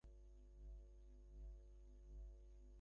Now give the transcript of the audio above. বাচ্চারা ফুটবল খেলতে গিয়েছিল।